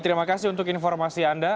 terima kasih untuk informasi anda